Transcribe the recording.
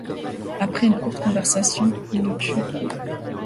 Après une courte conversation, il le tue.